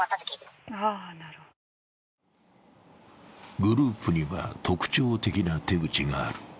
グループには特徴的な手口がある。